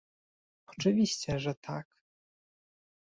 Oczywiście, że tak